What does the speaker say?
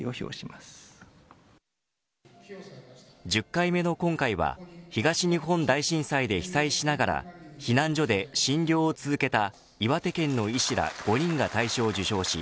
１０回目の今回は東日本大震災で被災しながら避難所で診療を続けた岩手県の医師ら５人が大賞を受賞し